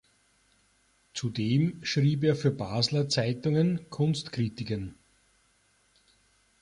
Zudem schrieb er für Basler Zeitungen Kunstkritiken.